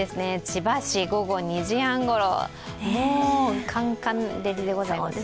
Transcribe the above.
千葉市、午後２時半ごろ、もうかんかん照りでございます。